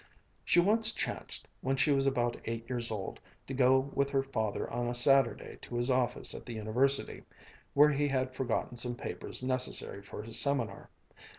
She once chanced, when she was about eight years old, to go with her father on a Saturday to his office at the University, where he had forgotten some papers necessary for his seminar.